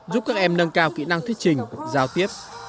giúp các em nâng cao kỹ năng thuyết trình giao tiếp